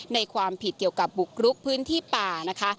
ความผิดเกี่ยวกับบุกรุกพื้นที่ป่านะคะ